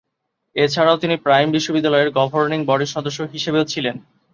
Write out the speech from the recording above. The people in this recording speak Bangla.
এছাড়াও তিনি প্রাইম বিশ্ববিদ্যালয়ের গভর্নিং বডির সদস্য হিসেবেও ছিলেন।